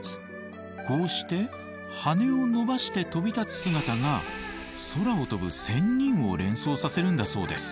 こうして羽を伸ばして飛び立つ姿が空を飛ぶ仙人を連想させるんだそうです。